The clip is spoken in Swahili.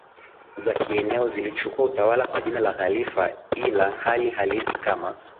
za kieneo zilichukua utawala kwa jina la khalifa ila hali halisi kama